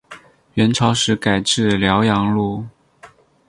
元朝时改置辽阳路。